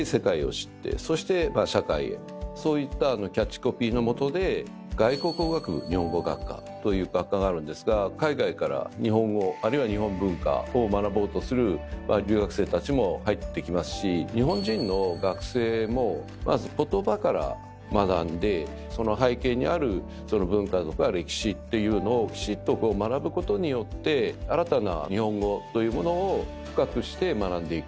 そういったキャッチコピーの下で「外国語学部日本語学科」という学科があるんですが海外から日本語あるいは日本文化を学ぼうとする留学生たちも入ってきますし日本人の学生もまず言葉から学んでその背景にあるその文化とか歴史っていうのをきちっとこう学ぶことによって新たな日本語というものを深くして学んでいく。